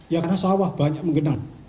ya karena sawah banyak menggenang